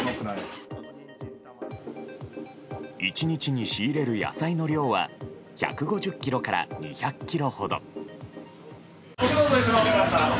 １日に仕入れる野菜の量は１５０ｋｇから２００ｋｇほど。